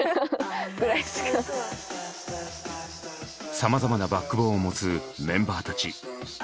さまざまなバックボーンを持つメンバーたち。